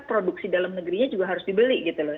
produksi dalam negerinya juga harus dibeli gitu loh